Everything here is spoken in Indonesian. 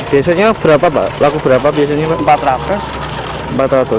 biasanya berapa pak laku berapa biasanya pak